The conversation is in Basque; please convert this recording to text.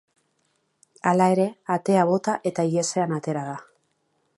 Hala ere, atea bota eta ihesean atera da.